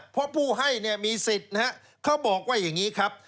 เพราะผู้ให้มีสิทธิ์เขาบอกว่าอย่างนี้ครับ